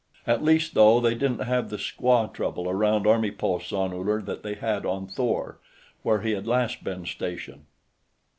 At least, though, they didn't have the squaw trouble around army posts on Uller that they had on Thor, where he had last been stationed.